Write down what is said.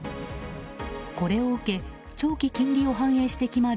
これを受け長期金利を反映して決まる